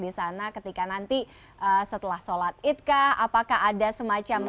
di sana ketika nanti setelah sholat id kah apakah ada semacam